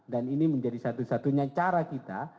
dan ini menjadi satu satunya cara kita